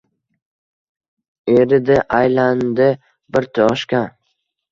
Eridi, aylandi bir toshga